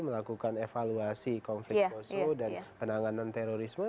melakukan evaluasi konflik poso dan penanganan terorisme